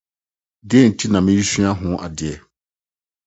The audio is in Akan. Dɛn nti na meresua ho ade?